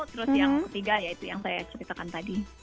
terus yang ketiga ya itu yang saya ceritakan tadi